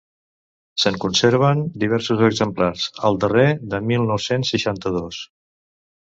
Se'n conserven diversos exemplars, el darrer de mil nou-cents seixanta-dos.